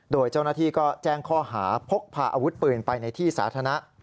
โดยเจ้าหน้าที่ก็แจ้งข้อหาพกพาอาวุธปืนไปในที่สาธารณะ